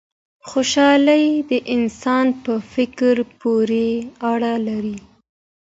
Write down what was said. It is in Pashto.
خوشحالي د انسان په فکر پوري اړه لري.